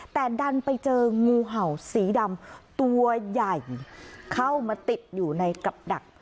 แต่ดันไปเจองูเห่าสีดำตัวใหญ่เข้ามาติดอยู่ในกับดัก